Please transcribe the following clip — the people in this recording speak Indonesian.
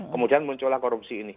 kemudian muncullah korupsi ini